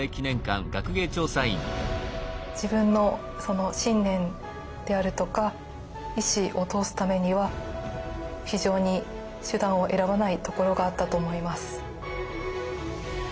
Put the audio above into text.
自分の信念であるとか意志を通すためには非常に手段を選ばないところがあったと思います。